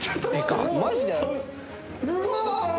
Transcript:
うわ！